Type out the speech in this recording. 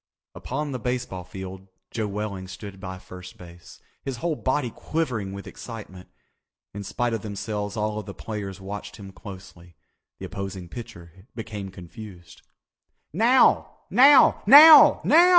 Upon the baseball field Joe Welling stood by first base, his whole body quivering with excitement. In spite of themselves all the players watched him closely. The opposing pitcher became confused. "Now! Now! Now! Now!"